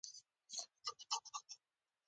سیاستونه تل په یو حالت کې نه پاتیږي